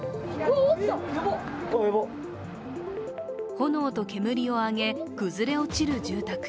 炎と煙を上げ、崩れ落ちる住宅。